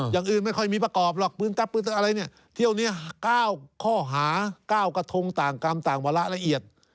อย่างอื่นไม่ค่อยมีประกอบหรอกพื้นทักอะไรเลยเที่ยวข้อหาก้ากะทงต่างกรรมต่างบาระละเอียด